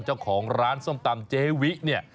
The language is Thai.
เจ้าของร้านส้มตำเจวิเนี่ย